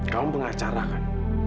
kamu pengacara kan